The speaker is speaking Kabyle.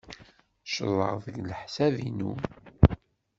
Ccḍeɣ deg leḥsab-inu.